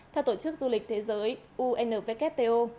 theo tổ chức du lịch thế giới unwto